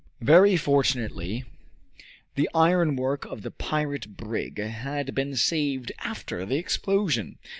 Very fortunately, the iron work of the pirate brig had been saved after the explosion.